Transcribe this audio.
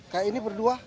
kayak ini berdua